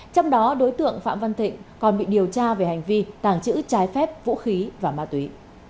trong đó đối tượng phạm văn thịnh còn bị điều tra về hành vi tàng trữ trái phép vũ khí và ma túy